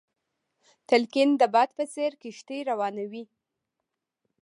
تلقين د باد په څېر کښتۍ روانوي.